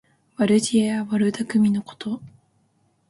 悪知恵や悪だくみのこと。